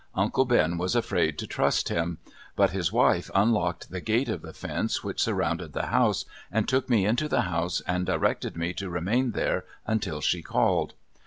Uncle Ben was afraid to trust him. But his wife unlocked the gate of the fence which surrounded the house, and took me into the house and directed me to remain there until she called.